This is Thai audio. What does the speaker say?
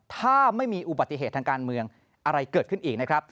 ถ้าไม่มีอุบัติเหตุทางการเมืองอะไรเกิดขึ้นอีกนะครับ